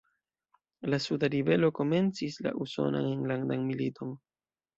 La suda ribelo komencis la Usonan Enlandan Militon.